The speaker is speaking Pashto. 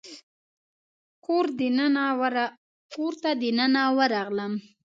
کور ته دننه ورغلم.